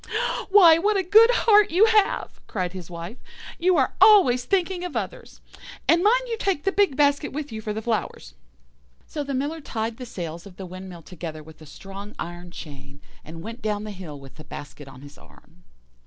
"'Why, what a good heart you have!' cried his Wife; 'you are always thinking of others. And mind you take the big basket with you for the flowers.' "So the Miller tied the sails of the windmill together with a strong iron chain, and went down the hill with the basket on his arm.